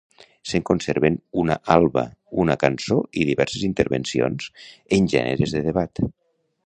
Se'n conserven una alba, una cançó i diverses intervencions en gèneres de debat.